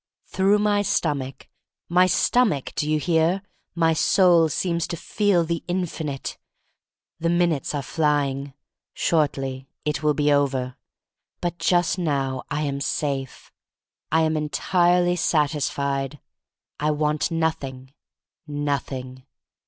Through my stomach — my stomach, do you hear — my soul seems to feel the infinite. The minutes are flying. Shortly it will be over. But just now I am safe. I am entirely satis fied. I want nothing, nothing.